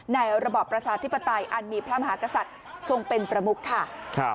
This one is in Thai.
ระบอบประชาธิปไตยอันมีพระมหากษัตริย์ทรงเป็นประมุกค่ะ